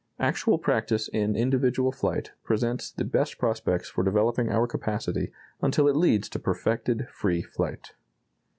Actual practice in individual flight presents the best prospects for developing our capacity until it leads to perfected free flight."